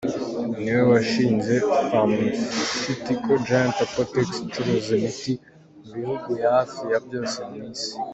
Niwe washinze ‘pharmaceutical giant Apotex’ icuruza imiti mu bihugu hafi ya byose mu Isi.